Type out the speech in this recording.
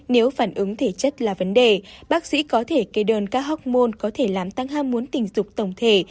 nếu phản ứng thể chất là vấn đề bác sĩ có thể kê đơn các học môn có thể làm tăng ham muốn tình dục tổng thể